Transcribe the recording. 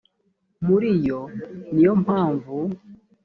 muri yo ni yo mpamvu